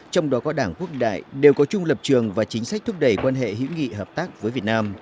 trong đó có đảng quốc đại đều có chung lập trường và chính sách thúc đẩy quan hệ hữu nghị hợp tác với việt nam